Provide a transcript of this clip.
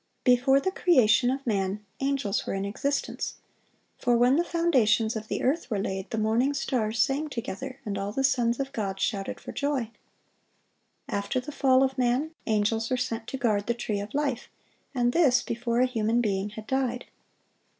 Before the creation of man, angels were in existence; for when the foundations of the earth were laid, "the morning stars sang together, and all the sons of God shouted for joy."(898) After the fall of man, angels were sent to guard the tree of life, and this before a human being had died.